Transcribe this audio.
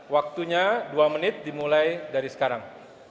waktunya dua menit dimulai dari sekarang